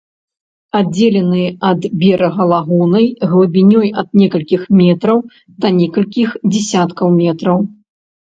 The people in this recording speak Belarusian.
Аддзелены ад берага лагунай глыбінёй ад некалькіх метраў да некалькіх дзясяткаў метраў.